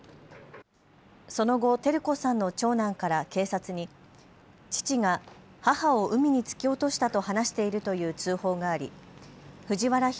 その後、照子さんの長男から警察に父が母を海に突き落としたと話しているという通報があり藤原宏